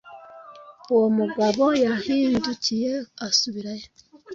uwo mugabo yarahindukiye asubirayo